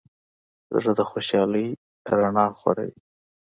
زړه د خوشحالۍ رڼا خوروي.